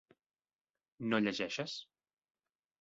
No llegeixes?